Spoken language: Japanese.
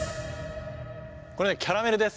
これキャラルです。